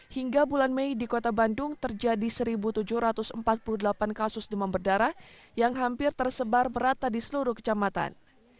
hingga bulan mei di kota bandung terjadi satu tujuh ratus empat puluh delapan kasus demam berdarah yang hampir tersebar berata di seluruh kecamatan